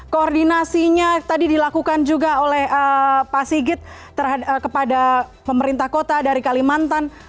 koordinasinya tadi dilakukan juga oleh pak sigit kepada pemerintah kota dari kalimantan